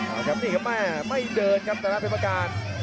อ่าวครับนี่ครับไม่เดินครับข้างแค่งซ้าย